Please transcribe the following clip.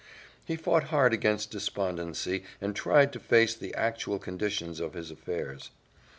He fought hard against despondency and tried to face the actual condition of his affairs.